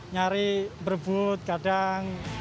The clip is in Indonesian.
nyari berbut kadang